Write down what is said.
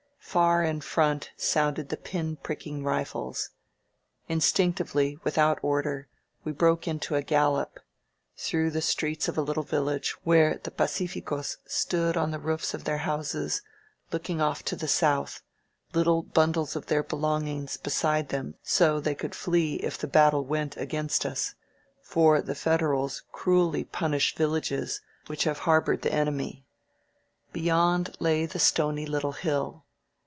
Far in front sounded the pin pricking rifles. Instinctively, without order, we broke into a gallop; through the streets of a little village, where the pacificos stood on the roofs of their houses, look ing off to the south, little bundles of their belongings beside them so they could flee if the battle went against us, for the Federals crueUy punish villages which have 239 INSURGENT MEXICO harbored the enemy. Beyond lay the stony little hill.